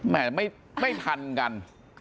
ไม่ทันกัน